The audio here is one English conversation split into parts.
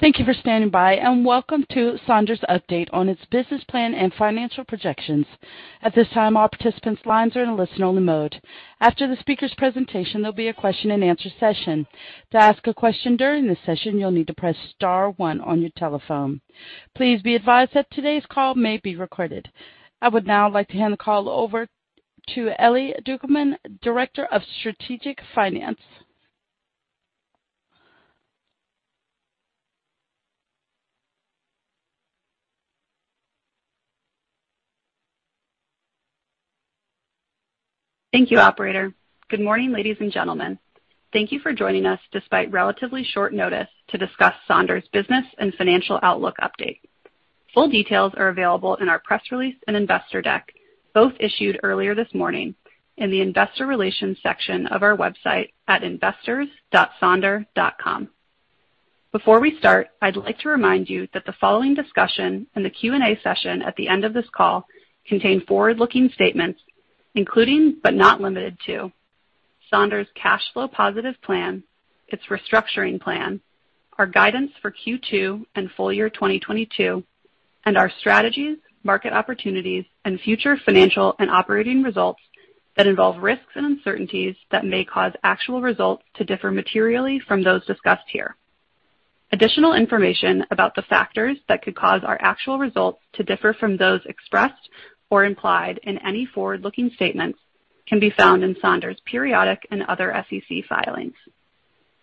Thank you for standing by, and welcome to Sonder's update on its business plan and financial projections. At this time, all participants' lines are in a listen-only mode. After the speaker's presentation, there'll be a question-and-answer session. To ask a question during this session, you'll need to press star one on your telephone. Please be advised that today's call may be recorded. I would now like to hand the call over to Ellie Ducommun, Director of Strategic Finance. Thank you, operator. Good morning, ladies and gentlemen. Thank you for joining us despite relatively short notice to discuss Sonder's business and financial outlook update. Full details are available in our press release and investor deck, both issued earlier this morning in the investor relations section of our website at investors.sonder.com. Before we start, I'd like to remind you that the following discussion and the Q&A session at the end of this call contain forward-looking statements, including, but not limited to Sonder's cash flow positive plan, its restructuring plan, our guidance for Q2 and full year 2022, and our strategies, market opportunities, and future financial and operating results that involve risks and uncertainties that may cause actual results to differ materially from those discussed here. Additional information about the factors that could cause our actual results to differ from those expressed or implied in any forward-looking statements can be found in Sonder's periodic and other SEC filings.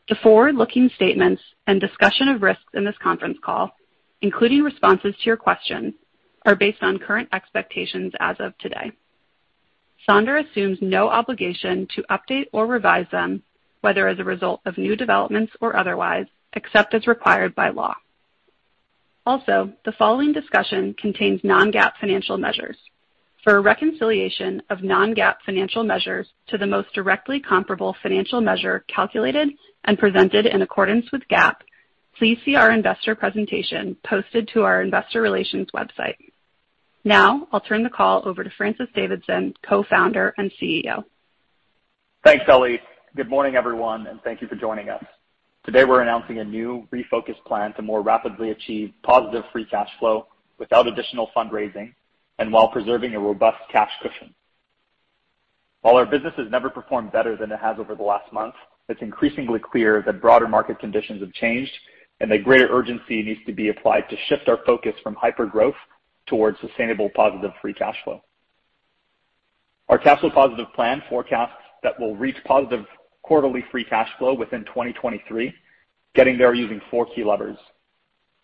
The forward-looking statements and discussion of risks in this conference call, including responses to your questions, are based on current expectations as of today. Sonder assumes no obligation to update or revise them, whether as a result of new developments or otherwise, except as required by law. Also, the following discussion contains non-GAAP financial measures. For a reconciliation of non-GAAP financial measures to the most directly comparable financial measure calculated and presented in accordance with GAAP, please see our investor presentation posted to our investor relations website. Now, I'll turn the call over to Francis Davidson, Co-founder and CEO. Thanks, Ellie. Good morning, everyone, and thank you for joining us. Today, we're announcing a new refocused plan to more rapidly achieve positive Free Cash Flow without additional fundraising and while preserving a robust cash cushion. While our business has never performed better than it has over the last month, it's increasingly clear that broader market conditions have changed and that greater urgency needs to be applied to shift our focus from hypergrowth towards sustainable positive Free Cash Flow. Our cash flow positive plan forecasts that we'll reach positive quarterly Free Cash Flow within 2023, getting there using four key levers,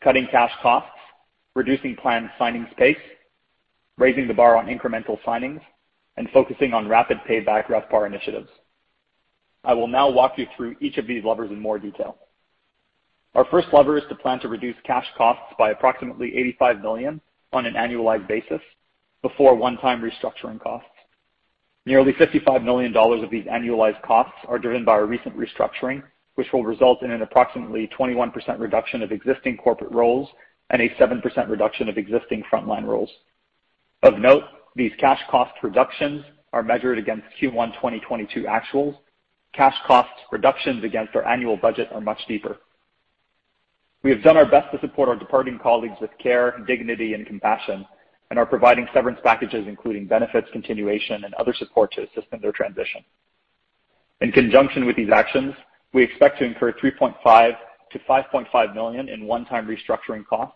cutting cash costs, reducing planned signing space, raising the bar on incremental signings, and focusing on rapid payback RevPAR initiatives. I will now walk you through each of these levers in more detail. Our first lever is to plan to reduce cash costs by approximately 85 million on an annualized basis before one-time restructuring costs. Nearly $55 million of these annualized costs are driven by our recent restructuring, which will result in an approximately 21% reduction of existing corporate roles and a 7% reduction of existing frontline roles. Of note, these cash cost reductions are measured against Q1 2022 actuals. Cash cost reductions against our annual budget are much deeper. We have done our best to support our departing colleagues with care, dignity, and compassion and are providing severance packages including benefits continuation and other support to assist in their transition. In conjunction with these actions, we expect to incur 3.5 million-5.5 million in one-time restructuring costs,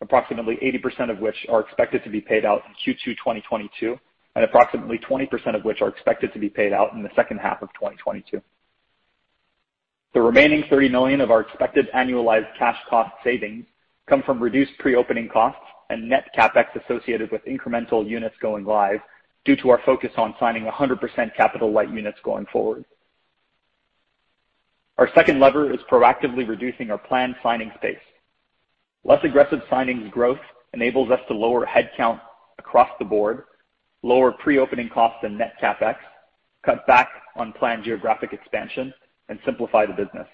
approximately 80% of which are expected to be paid out in Q2 2022, and approximately 20% of which are expected to be paid out in the second half of 2022. The remaining 30 million of our expected annualized cash cost savings come from reduced pre-opening costs and net CapEx associated with incremental units going live due to our focus on signing 100% capital-light units going forward. Our second lever is proactively reducing our planned signing pace. Less aggressive signings growth enables us to lower headcount across the board, lower pre-opening costs and net CapEx, cut back on planned geographic expansion, and simplify the business.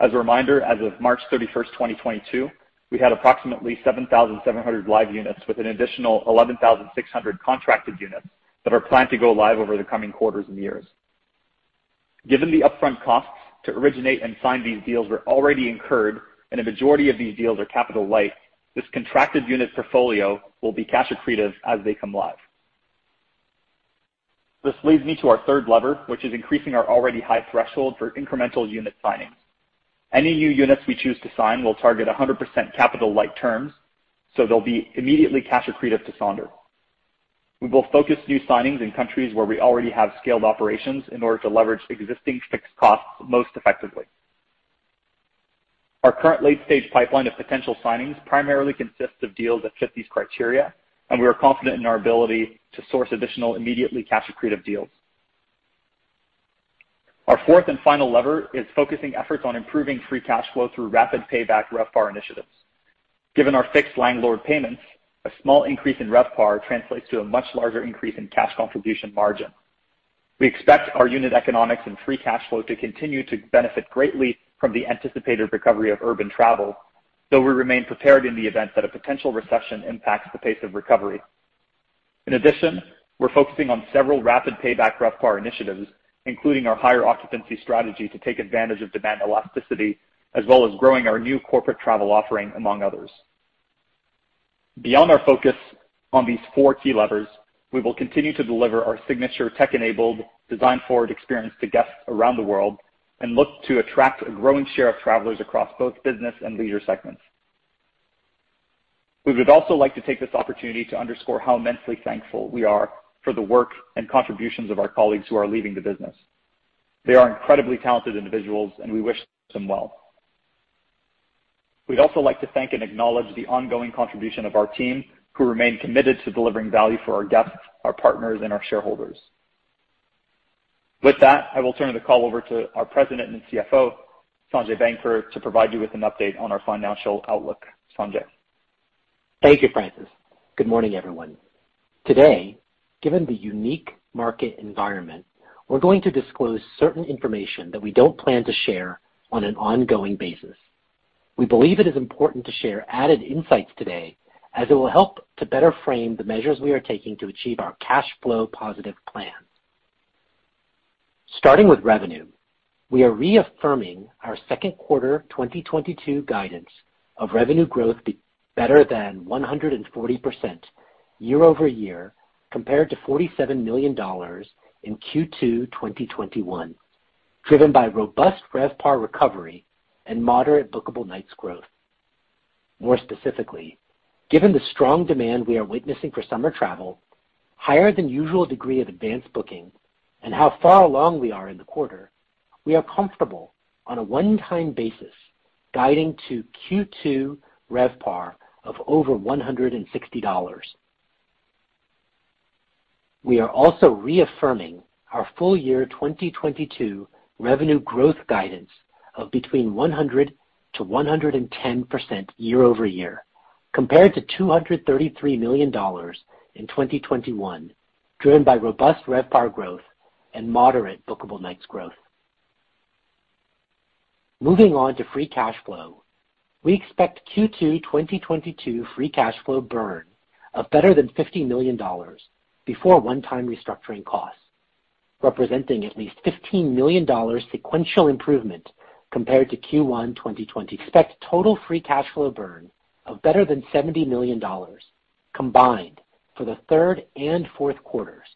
As a reminder, as of March 31, 2022, we had approximately 7,700 live units with an additional 11,600 contracted units that are planned to go live over the coming quarters and years. Given the upfront costs to originate and sign these deals were already incurred and a majority of these deals are capital-light, this contracted unit portfolio will be cash accretive as they come live. This leads me to our third lever, which is increasing our already high threshold for incremental unit signings. Any new units we choose to sign will target 100% capital-light terms, so they'll be immediately cash accretive to Sonder. We will focus new signings in countries where we already have scaled operations in order to leverage existing fixed costs most effectively. Our current late-stage pipeline of potential signings primarily consists of deals that fit these criteria, and we are confident in our ability to source additional immediately cash accretive deals. Our fourth and final lever is focusing efforts on improving Free Cash Flow through rapid payback RevPAR initiatives. Given our fixed landlord payments, a small increase in RevPAR translates to a much larger increase in Cash Contribution Margin. We expect our unit economics and Free Cash Flow to continue to benefit greatly from the anticipated recovery of urban travel, though we remain prepared in the event that a potential recession impacts the pace of recovery. In addition, we're focusing on several rapid payback RevPAR initiatives, including our higher occupancy strategy to take advantage of demand elasticity as well as growing our new corporate travel offering, among others. Beyond our focus on these four key levers, we will continue to deliver our signature tech-enabled design forward experience to guests around the world and look to attract a growing share of travelers across both business and leisure segments. We would also like to take this opportunity to underscore how immensely thankful we are for the work and contributions of our colleagues who are leaving the business. They are incredibly talented individuals and we wish them well. We'd also like to thank and acknowledge the ongoing contribution of our team who remain committed to delivering value for our guests, our partners and our shareholders. With that, I will turn the call over to our President and CFO, Sanjay Banker, to provide you with an update on our financial outlook. Sanjay? Thank you, Francis. Good morning, everyone. Today, given the unique market environment, we're going to disclose certain information that we don't plan to share on an ongoing basis. We believe it is important to share added insights today as it will help to better frame the measures we are taking to achieve our cash flow positive plan. Starting with revenue, we are reaffirming our second quarter 2022 guidance of revenue growth to be better than 140% year-over-year, compared to $47 million in Q2 2021, driven by robust RevPAR recovery and moderate bookable nights growth. More specifically, given the strong demand we are witnessing for summer travel, higher than usual degree of advanced booking and how far along we are in the quarter, we are comfortable on a one-time basis guiding to Q2 RevPAR of over $160. We are also reaffirming our full year 2022 revenue growth guidance of between 100% to 110% year-over-year, compared to $233 million in 2021, driven by robust RevPAR growth and moderate Bookable Nights growth. Moving on to Free Cash Flow. We expect Q2 2022 Free Cash Flow burn of better than $50 million before one-time restructuring costs, representing at least $15 million sequential improvement compared to Q1 2020. Expect total Free Cash Flow burn of better than $70 million combined for the third and fourth quarters.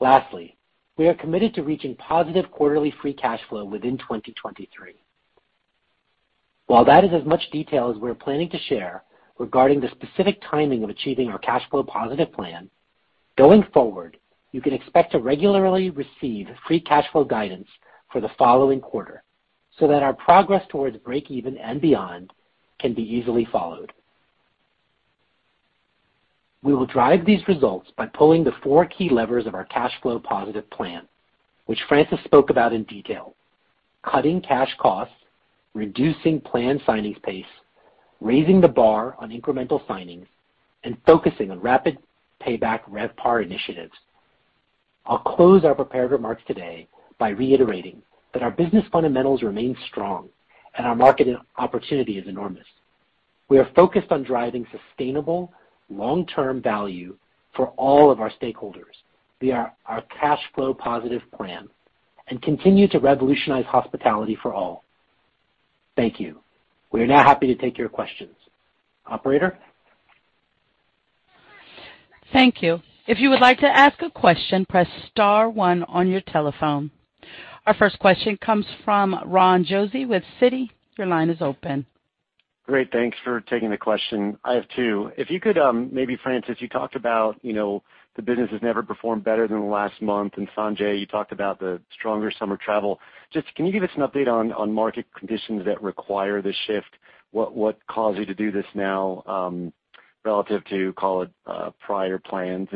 Lastly, we are committed to reaching positive quarterly Free Cash Flow within 2023. While that is as much detail as we are planning to share regarding the specific timing of achieving our cash flow positive plan, going forward, you can expect to regularly receive free cash flow guidance for the following quarter so that our progress towards breakeven and beyond can be easily followed. We will drive these results by pulling the four key levers of our cash flow positive plan, which Francis spoke about in detail. Cutting cash costs, reducing planned signings pace, raising the bar on incremental signings, and focusing on rapid payback RevPAR initiatives. I'll close our prepared remarks today by reiterating that our business fundamentals remain strong and our market opportunity is enormous. We are focused on driving sustainable long-term value for all of our stakeholders via our cash flow positive plan and continue to revolutionize hospitality for all. Thank you. We are now happy to take your questions. Operator? Thank you. If you would like to ask a question, press star one on your telephone. Our first question comes from Ron Josey with Citi. Your line is open. Great. Thanks for taking the question. I have two. If you could, maybe Francis, you talked about, you know, the business has never performed better than the last month. Sanjay, you talked about the stronger summer travel. Just can you give us an update on market conditions that require this shift? What caused you to do this now, relative to call it, prior plans?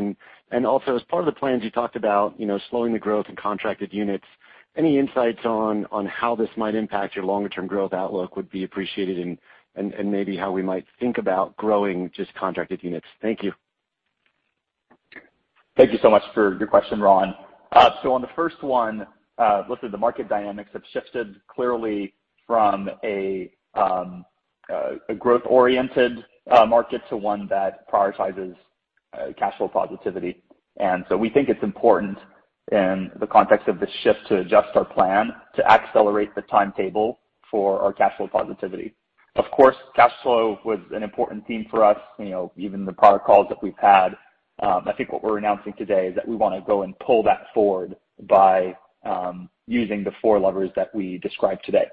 Also as part of the plans you talked about, you know, slowing the growth in contracted units. Any insights on how this might impact your longer term growth outlook would be appreciated and maybe how we might think about growing just contracted units. Thank you. Thank you so much for your question, Ron. The market dynamics have shifted clearly from a growth oriented market to one that prioritizes cash flow positivity. We think it's important in the context of this shift to adjust our plan to accelerate the timetable for our cash flow positivity. Of course, cash flow was an important theme for us. You know, even the prior calls that we've had, I think what we're announcing today is that we want to go and pull that forward by using the four levers that we described today.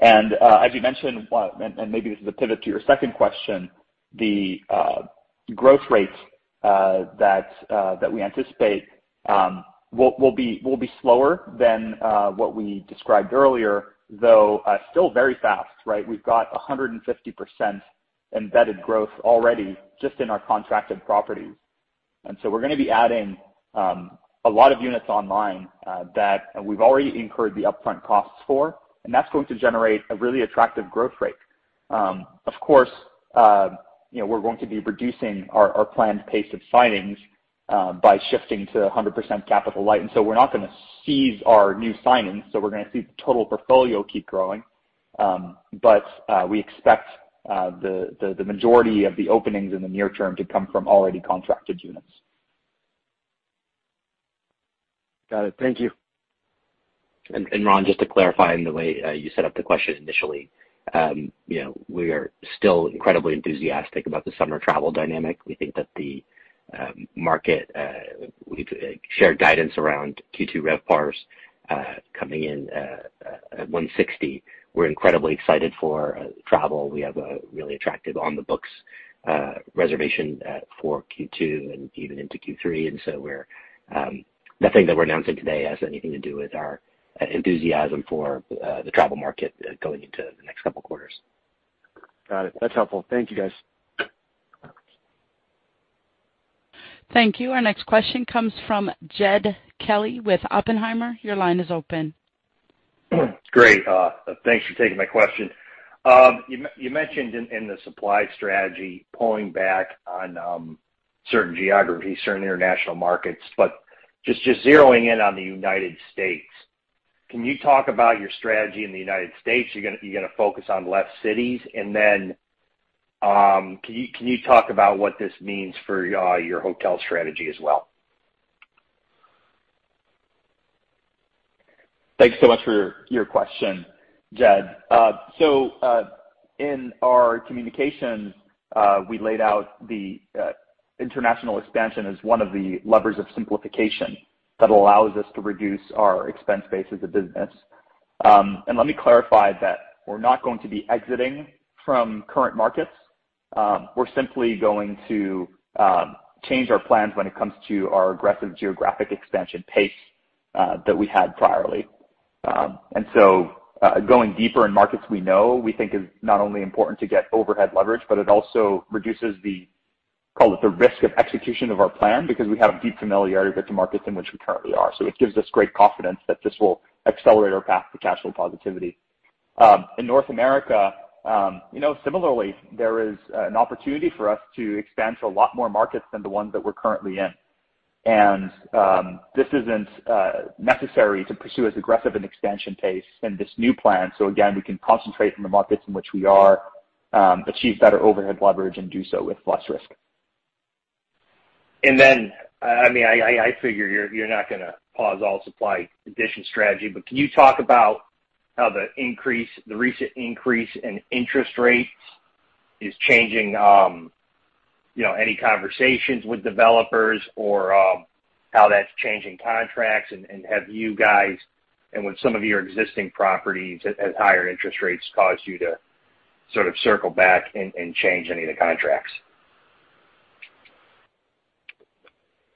As you mentioned, maybe this is a pivot to your second question. The growth rate that we anticipate will be slower than what we described earlier, though still very fast, right? We've got 150% embedded growth already just in our contracted properties. We're gonna be adding a lot of units online that we've already incurred the upfront costs for, and that's going to generate a really attractive growth rate. Of course, you know, we're going to be reducing our planned pace of signings by shifting to 100% capital-light. We're not gonna cease our new signings, so we're gonna see the total portfolio keep growing. We expect the majority of the openings in the near term to come from already contracted units. Got it. Thank you. Ron, just to clarify on the way you set up the question initially. You know, we are still incredibly enthusiastic about the summer travel dynamic. We think that the market, we've like shared guidance around Q2 RevPARs coming in at 160. We're incredibly excited for travel. We have a really attractive on the books reservation for Q2 and even into Q3. Nothing that we're announcing today has anything to do with our enthusiasm for the travel market going into the next couple quarters. Got it. That's helpful. Thank you, guys. Thank you. Our next question comes from Jed Kelly with Oppenheimer. Your line is open. Great. Thanks for taking my question. You mentioned in the supply strategy, pulling back on certain geographies, certain international markets. Just zeroing in on the United States, can you talk about your strategy in the United States? You're gonna focus on less cities? Can you talk about what this means for your hotel strategy as well? Thanks so much for your question, Jed. In our communications, we laid out the international expansion as one of the levers of simplification that allows us to reduce our expense base as a business. Let me clarify that we're not going to be exiting from current markets. We're simply going to change our plans when it comes to our aggressive geographic expansion pace that we had previously. Going deeper in markets we know, we think is not only important to get overhead leverage, but it also reduces, call it, the risk of execution of our plan because we have deep familiarity with the markets in which we currently are. It gives us great confidence that this will accelerate our path to cash flow positivity. In North America, you know, similarly, there is an opportunity for us to expand to a lot more markets than the ones that we're currently in. This isn't necessary to pursue as aggressive an expansion pace in this new plan. Again, we can concentrate in the markets in which we are achieve better overhead leverage and do so with less risk. I mean, I figure you're not gonna pause all supply addition strategy, but can you talk about how the increase, the recent increase in interest rates is changing, you know, any conversations with developers or, how that's changing contracts? Have you guys and with some of your existing properties, has higher interest rates caused you to sort of circle back and change any of the contracts?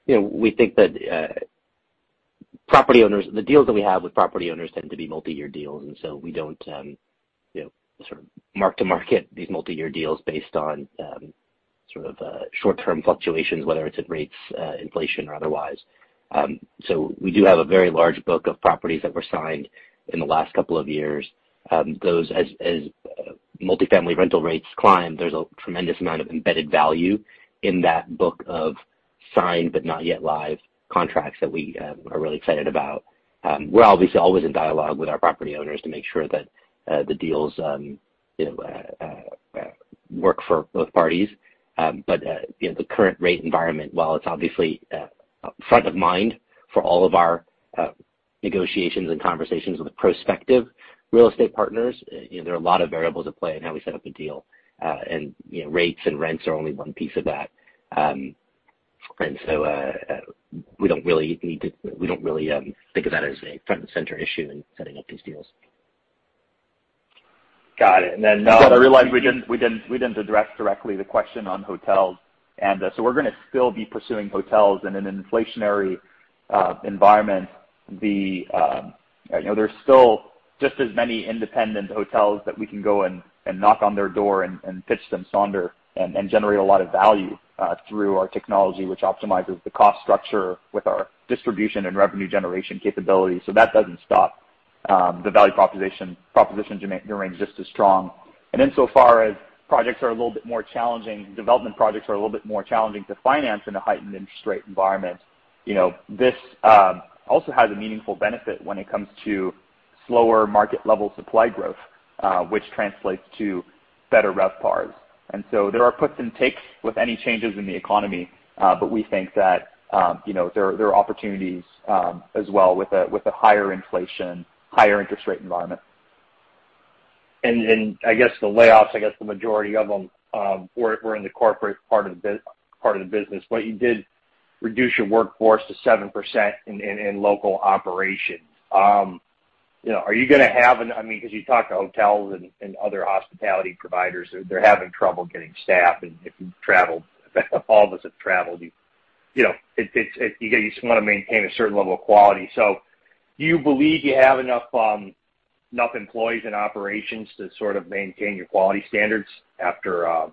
You know, we think that. The deals that we have with property owners tend to be multi-year deals, and we don't you know, sort of mark to market these multi-year deals based on sort of short-term fluctuations, whether it's ADR rates, inflation or otherwise. We do have a very large book of properties that were signed in the last couple of years. Those, as multifamily rental rates climb, there's a tremendous amount of embedded value in that book of signed-but-not-yet-live contracts that we are really excited about. We're obviously always in dialogue with our property owners to make sure that the deals you know work for both parties. You know, the current rate environment, while it's obviously front of mind for all of our negotiations and conversations with prospective real estate partners, you know, there are a lot of variables at play in how we set up a deal. You know, rates and rents are only one piece of that. We don't really think of that as a front and center issue in setting up these deals. Got it. Jed, I realize we didn't address directly the question on hotels. We're gonna still be pursuing hotels in an inflationary environment. You know, there's still just as many independent hotels that we can go and knock on their door and pitch them Sonder and generate a lot of value through our technology, which optimizes the cost structure with our distribution and revenue generation capabilities. That doesn't stop. The value proposition remains just as strong. Insofar as projects are a little bit more challenging, development projects are a little bit more challenging to finance in a heightened interest rate environment, you know, this also has a meaningful benefit when it comes to slower market level supply growth, which translates to better RevPARs. There are puts and takes with any changes in the economy, but we think that, you know, there are opportunities as well with a higher inflation, higher interest rate environment. I guess the layoffs, I guess the majority of them were in the corporate part of the business. You did reduce your workforce to 7% in local operations. You know, are you gonna have, I mean, 'cause you talk to hotels and other hospitality providers, they're having trouble getting staff. If you've traveled, all of us have traveled, you know, it's. You just wanna maintain a certain level of quality. Do you believe you have enough employees and operations to sort of maintain your quality standards after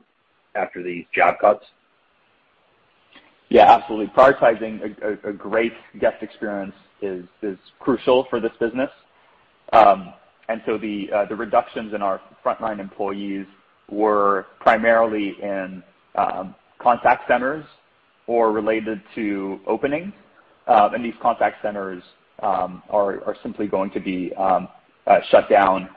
these job cuts? Yeah, absolutely. Prioritizing a great guest experience is crucial for this business. The reductions in our frontline employees were primarily in contact centers or related to openings. These contact centers are simply going to be shut down.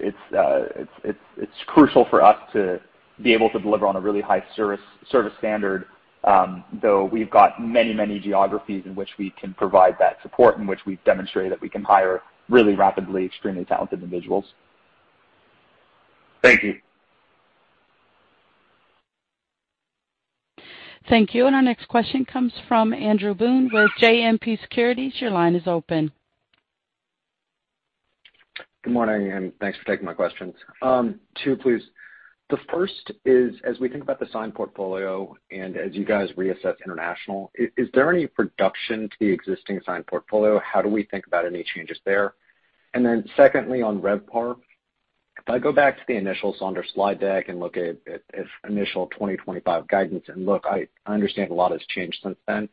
It's crucial for us to be able to deliver on a really high service standard, though we've got many geographies in which we can provide that support, in which we've demonstrated that we can hire really rapidly extremely talented individuals. Thank you. Thank you. Our next question comes from Andrew Boone with JMP Securities. Your line is open. Good morning, and thanks for taking my questions. Two, please. The first is, as we think about the signed portfolio, and as you guys reassess international, is there any reduction to the existing signed portfolio? How do we think about any changes there? Secondly, on RevPAR, if I go back to the initial Sonder slide deck and look at initial 2025 guidance, and look, I understand a lot has changed since then,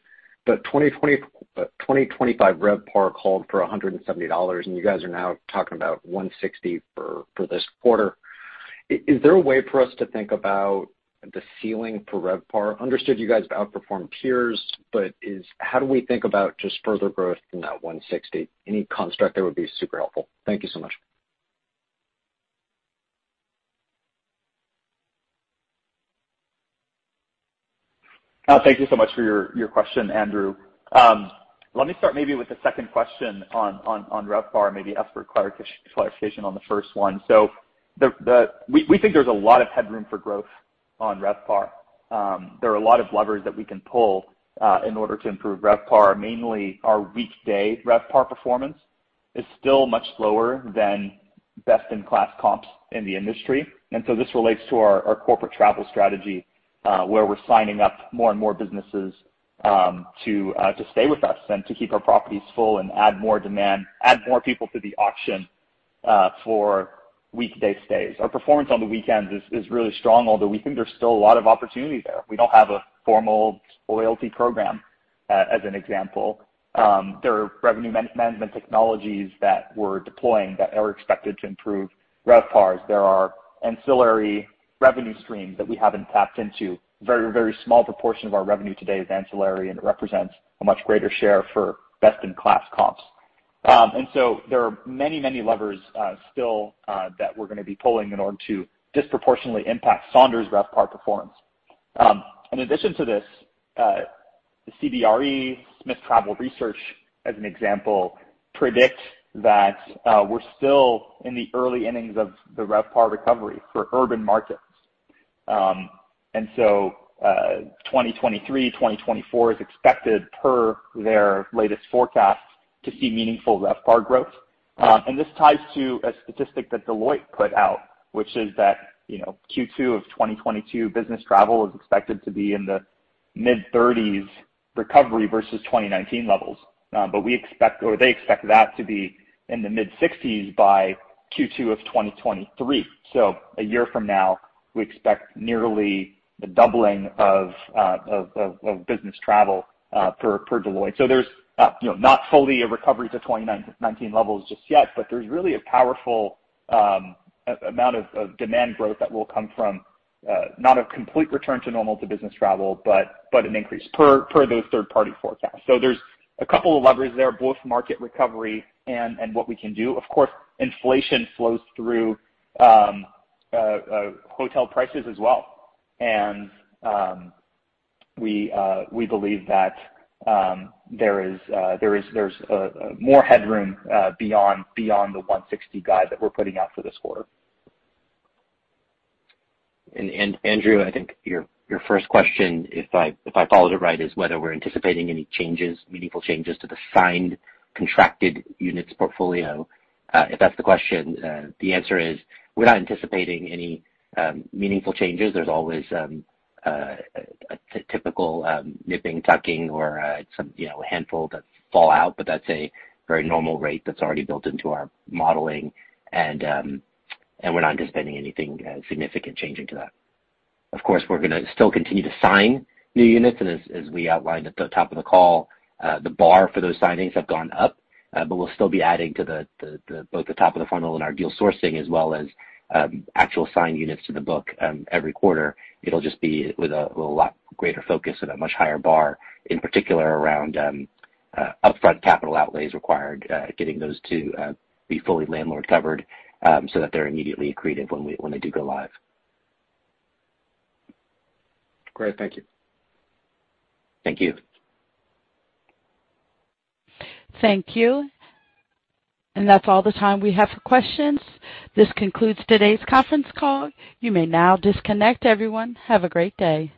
but 2025 RevPAR called for $170, and you guys are now talking about 160 for this quarter. Is there a way for us to think about the ceiling for RevPAR? Understood you guys have outperformed peers, but how do we think about just further growth from that $160? Any construct there would be super helpful. Thank you so much. Thank you so much for your question, Andrew. Let me start maybe with the second question on RevPAR, maybe ask for clarification on the first one. We think there's a lot of headroom for growth on RevPAR. There are a lot of levers that we can pull in order to improve RevPAR. Mainly, our weekday RevPAR performance is still much lower than best-in-class comps in the industry. This relates to our corporate travel strategy, where we're signing up more and more businesses to stay with us and to keep our properties full and add more demand, add more people to the auction for weekday stays. Our performance on the weekends is really strong, although we think there's still a lot of opportunity there. We don't have a formal loyalty program, as an example. There are revenue management technologies that we're deploying that are expected to improve RevPARs. There are ancillary revenue streams that we haven't tapped into. Very, very small proportion of our revenue today is ancillary, and it represents a much greater share for best-in-class comps. There are many, many levers, still, that we're gonna be pulling in order to disproportionately impact Sonder's RevPAR performance. In addition to this, the CBRE and Smith Travel Research, as an example, predict that we're still in the early innings of the RevPAR recovery for urban markets. 2023, 2024 is expected per their latest forecast to see meaningful RevPAR growth. This ties to a statistic that Deloitte put out, which is that, you know, Q2 of 2022 business travel is expected to be in the mid-30s recovery versus 2019 levels. We expect or they expect that to be in the mid-60s by Q2 of 2023. A year from now, we expect nearly the doubling of business travel per Deloitte. There's, you know, not fully a recovery to 2019 levels just yet, but there's really a powerful amount of demand growth that will come from not a complete return to normal business travel, but an increase per those third-party forecasts. There's a couple of levers there, both market recovery and what we can do. Of course, inflation flows through hotel prices as well. We believe that there is more headroom beyond the 160 guide that we're putting out for this quarter. Andrew, I think your first question, if I followed it right, is whether we're anticipating any changes, meaningful changes to the signed contracted units portfolio. If that's the question, the answer is we're not anticipating any meaningful changes. There's always a typical nipping, tucking or some, you know, handful that fall out, but that's a very normal rate that's already built into our modeling. We're not anticipating anything significant changing to that. Of course, we're gonna still continue to sign new units, and as we outlined at the top of the call, the bar for those signings have gone up. We'll still be adding to both the top of the funnel in our deal sourcing as well as actual signed units to the book every quarter. It'll just be with a lot greater focus and a much higher bar, in particular around upfront capital outlays required, getting those to be fully landlord covered, so that they're immediately accretive when they do go live. Great. Thank you. Thank you. Thank you. That's all the time we have for questions. This concludes today's conference call. You may now disconnect everyone. Have a great day.